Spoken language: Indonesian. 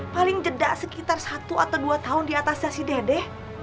paling jeda sekitar satu atau dua tahun diatasnya si dede